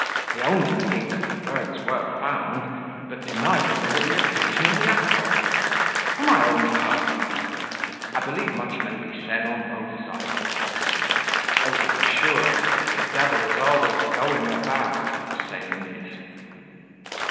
He owned, indeed, that the birds were found, but denied that they were the occasion of the uproar. For my own part, master, I believe much may be said on both sides of the question; though to be sure, the devil is always going about, as the saying is."